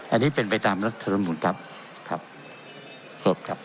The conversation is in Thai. อันนี้เป็นไปตามรัฐธรรมนุนครับครับครบครับ